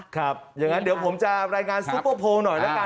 อย่างนั้นเดี๋ยวผมจะรายงานซุปเปอร์โพลหน่อยละกัน